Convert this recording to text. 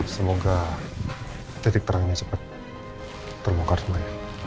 semoga titik terangnya sempat termongkar semuanya